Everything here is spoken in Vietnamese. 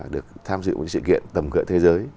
được tham dự một sự kiện tầm cỡ thế giới